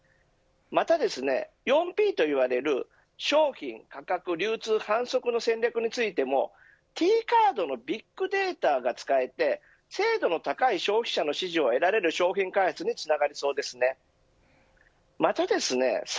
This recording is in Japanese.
また４Ｐと呼ばれる商品価格、流通販促の戦略についてもＴカードのビッグデータが使えて精度の高い消費者の支持を得られる商品開発につながりそうです。